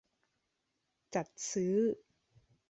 จัดซื้อ